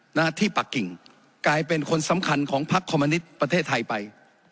หน้าที่ปากกิ่งกลายเป็นคนสำคัญของพักคอมมนิตประเทศไทยไป